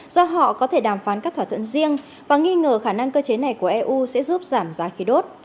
do họ có thể đàm phán các thỏa thuận riêng và nghi ngờ khả năng cơ chế này của eu sẽ giúp giảm giá khí đốt